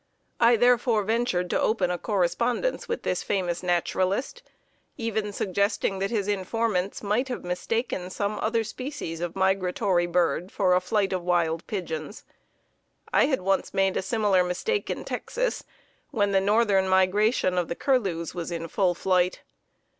I therefore ventured to open a correspondence with this famous naturalist, even suggesting that his informants might have mistaken some other species of migratory bird for a flight of wild pigeons. I had once made a similar mistake in Texas when the northern migration of the curlews was in full flight.